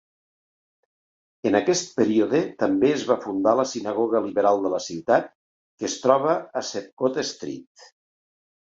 En aquest període també es va fundar la sinagoga liberal de la ciutat, que es troba a Sheepcote Street.